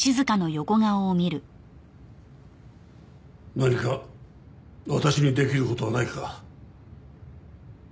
何か私にできる事はないか？